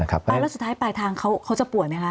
แล้วสุดท้ายปลายทางเขาจะป่วยไหมคะ